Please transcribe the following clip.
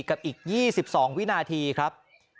กับอีก๒๒วินาทีครับ